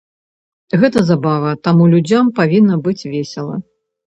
Гэта забава, таму людзям павінна быць весела.